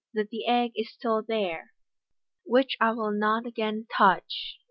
261 that the egg is still there), "whicti I will not again touch.